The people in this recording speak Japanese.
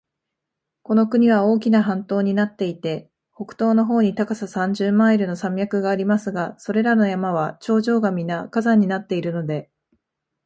この国は大きな半島になっていて、北東の方に高さ三十マイルの山脈がありますが、それらの山は頂上がみな火山になっているので、